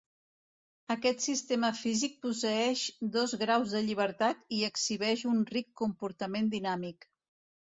Aquest sistema físic posseeix dos graus de llibertat i exhibeix un ric comportament dinàmic.